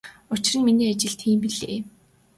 Учир нь миний ажил тийм билээ.